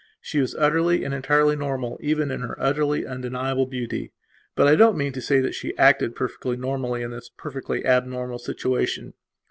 She was utterly and entirely normal even in her utterly undeniable beauty. But I don't mean to say that she acted perfectly normally in this perfectly abnormal situation.